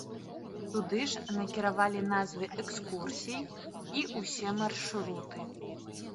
Туды ж накіравалі назвы экскурсій і ўсе маршруты.